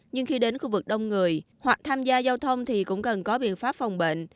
nhưng khi đến khu vực đông người hoặc tham gia giao thông thì cũng cần có biện pháp phòng bệnh